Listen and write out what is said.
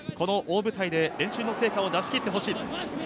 大舞台で練習の成果を出し切ってほしい。